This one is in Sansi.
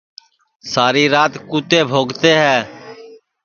ساری رات کُتے بھوکتے ہے